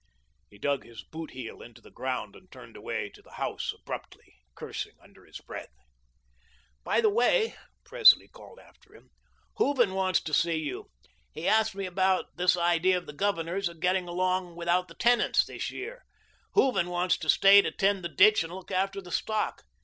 He dug his boot heel into the ground and turned away to the house abruptly, cursing beneath his breath. "By the way," Presley called after him, "Hooven wants to see you. He asked me about this idea of the Governor's of getting along without the tenants this year. Hooven wants to stay to tend the ditch and look after the stock.